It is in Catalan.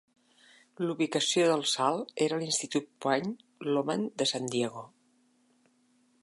La ubicació del "salt" era l'institut Point Loma de San Diego.